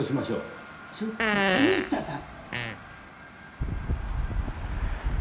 ちょっと杉下さん！